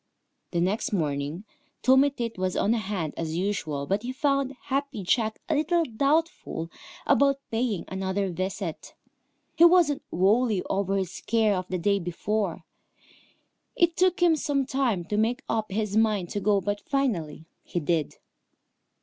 The next morning Tommy Tit was on hand as usual, but he found Happy Jack a little doubtful about paying another visit. He wasn't wholly over his scare of the day before. It took him some time to make up his mind to go, but finally he did.